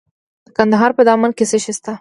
د کندهار په دامان کې څه شی شته؟